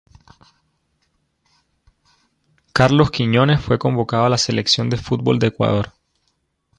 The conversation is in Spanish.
Carlos Quiñonez fue convocado a la Selección de fútbol de Ecuador.